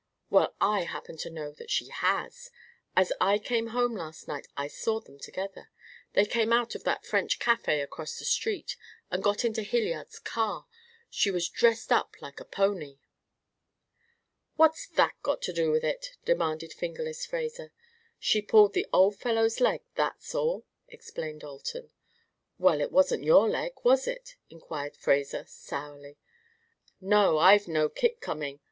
"Well, I happen to know that she has. As I came home last night I saw them together. They came out of that French cafe across the street, and got into Hilliard's car. She was dressed up like a pony." "What's that got to do with it?" demanded "Fingerless" Fraser. "She pulled the old fellow's leg, that's all," explained Alton. "Well, it wasn't your leg, was it?" inquired Fraser, sourly. "No; I've no kick coming.